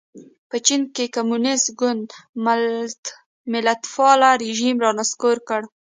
په چین کې کمونېست ګوند ملتپال رژیم را نسکور کړ.